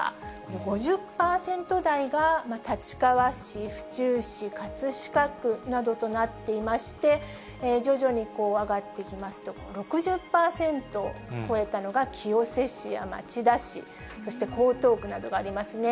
５０％台が立川市、府中市、葛飾区などとなっていまして、徐々に上がっていきますと、６０％超えたのが清瀬市や町田市、そして江東区などがありますね。